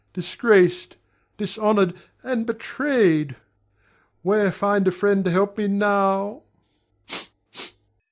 Disgraced, dishonored, and betrayed! Where find a friend to help me now?